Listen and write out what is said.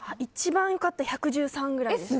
１番良かったのが１１３ぐらいです。